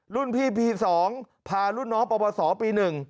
รุ่นพี่ปี๒พารุ่นน้องปปศปี๑